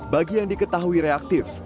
bagi yang diketahui reaktif